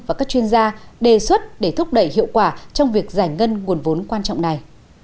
và các chuyên gia đề xuất để thúc đẩy hiệu quả trong việc giải ngân nguồn vốn quan trọng này